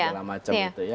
segala macam itu ya